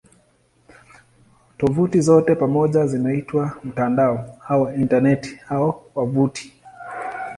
Tovuti zote pamoja zinaitwa "mtandao" au "Intaneti" au "wavuti".